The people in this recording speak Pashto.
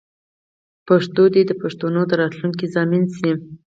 پښتو دې د پښتنو د راتلونکې ضامن شي.